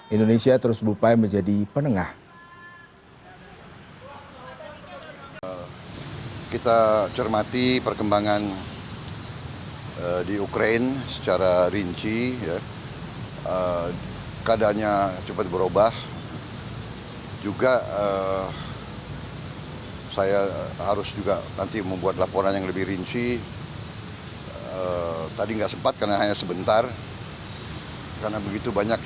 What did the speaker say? indonesia terus berupaya menjadi penengah